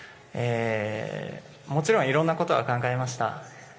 もちろんいろんなことは考えました。